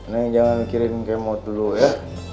neng jangan mikirin kemot dulu ya